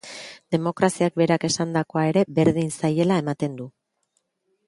Demokraziak berak esandakoa ere berdin zaiela ematen du.